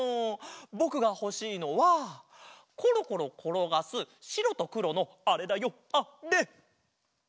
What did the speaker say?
ぼくがほしいのはコロコロころがすしろとくろのあれだよあれ！